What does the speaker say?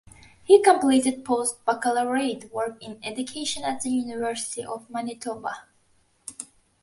He completed post-baccalaureate work in education at the University of Manitoba.